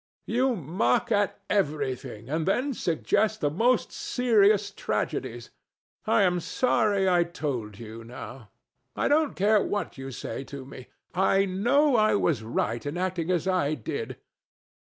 You mock at everything, and then suggest the most serious tragedies. I am sorry I told you now. I don't care what you say to me. I know I was right in acting as I did.